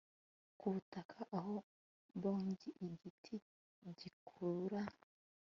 kubutaka aho bong-igiti gikura